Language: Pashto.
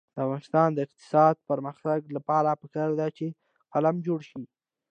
د افغانستان د اقتصادي پرمختګ لپاره پکار ده چې قلم جوړ شي.